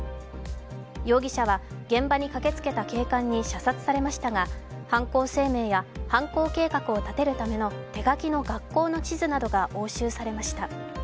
容疑者は現場に駆けつけた警官に射殺されましたが犯行声明や犯行計画を立てるための手書きの学校の地図などが押収されました。